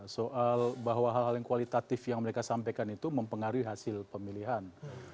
soal bahwa hal hal yang kualitatif yang mereka sampaikan itu mempengaruhi hasil pemilihan